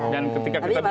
dan ketika kita bicara